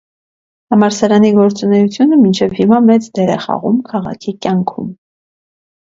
Համալսարանի գործունեությունը միչև հիմա մեծ դեր է խաղում քաղաքի կյանքում։